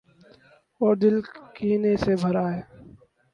اوردل کینے سے بھراہے۔